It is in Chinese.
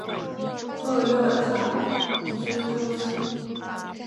后又嫁予苏托斯。